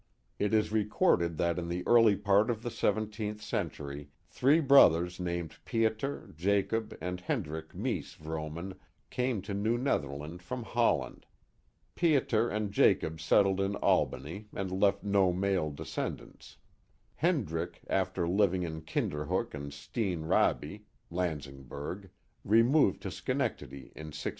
It is recorded that in the early part of the seventeenth cen tury three brothers named Pieter, Jacob, and Hendrick Meese Vrooman came to New Netherland from Holland. Pieter Mind Jacob settled in Albany and left no male descendants. Klendrick, after living at Kinderhook and Steene Raby (Laii singburg), removed to Schenectady in 1677.